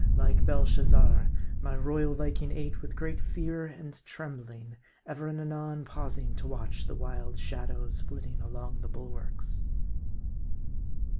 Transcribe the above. Like Belshazzar, my royal Viking ate with great fear and trembling ; ever and anon pausing to watch the wild shadows flitting along the bulwarks.